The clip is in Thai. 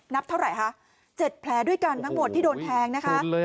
นับเท่าไร๗แพลด้วยกันทั้งหมดที่โดนแพลงนะคะ